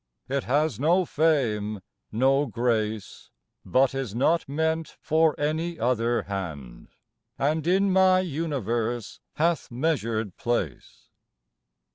It has no fame, no grace. But is not meant for any other hand. And in my universe hath measured place.